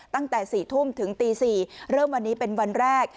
ตั้งแต่๔ทุ่มถึงตี๔เริ่มวันนี้เป็นวันแรก